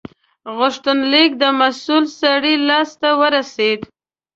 غوښتنلیک د مسول سړي لاس ته ورسید.